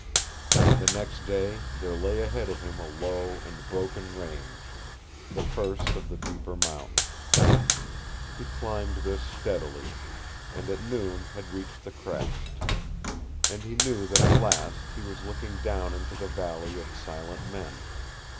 The next day there lay ahead of him a low and broken range, the first of the deeper mountains. He climbed this steadily, and at noon had reached the crest. And he knew that at last he was looking down into the Valley of Silent Men.